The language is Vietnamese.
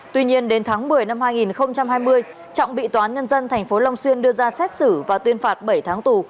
tuy nhiên đến tháng một mươi năm hai nghìn hai mươi trọng bị toán nhân dân tp long xuyên đưa ra xét xử và tuyên phạt bảy tháng tù